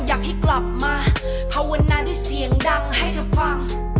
อยากให้กลับมาภาวนาด้วยเสียงดังให้เธอฟัง